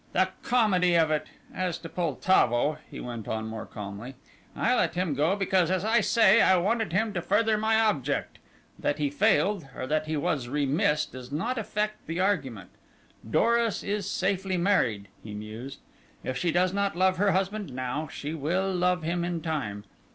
"The comedy of it! As to Poltavo," he went on more calmly, "I let him go because, as I say, I wanted him to further my object. That he failed, or that he was remiss, does not affect the argument. Doris is safely married," he mused; "if she does not love her husband now, she will love him in time.